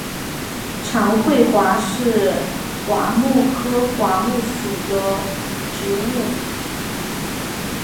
长穗桦是桦木科桦木属的植物。